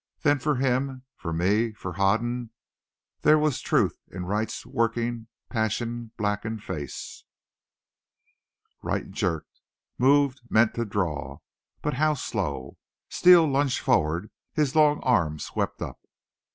Then for him for me for Hoden there was the truth in Wright's working passion blackened face. Wright jerked, moved, meant to draw. But how slow! Steele lunged forward. His long arm swept up.